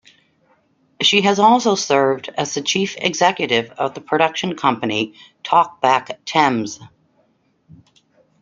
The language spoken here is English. She has also served as the Chief Executive of the production company Talkback Thames.